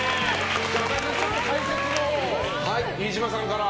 赤井先生、解説を飯島さんから。